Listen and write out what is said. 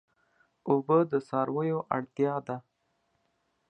اوبه د څارویو اړتیا ده.